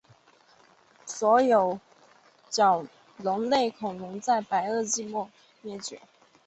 所有的角龙类恐龙在白垩纪末期灭绝。